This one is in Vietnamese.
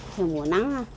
theo mùa nắng